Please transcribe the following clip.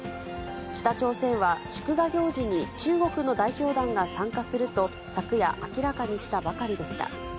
北朝鮮は祝賀行事に中国の代表団が参加すると昨夜、明らかにしたばかりでした。